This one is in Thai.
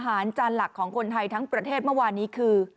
จานหลักของคนไทยทั้งประเทศเมื่อวานนี้คือ